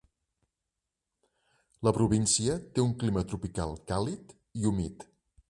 La província té un clima tropical càlid i humit.